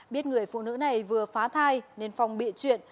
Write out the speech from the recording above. biết người phụ nữ này vừa phá thai nên phong bị chuyện